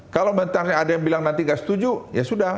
kalau misalnya ada yang bilang nanti nggak setuju ya sudah